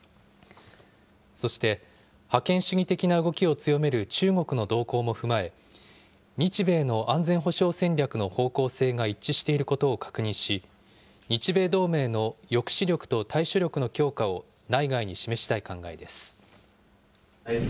そして、覇権主義的な動きを強める中国の動向も踏まえ、日米の安全保障戦略の方向性が一致していることを確認し、日米同盟の抑止力と対処力の強化を内外に示したい考えです。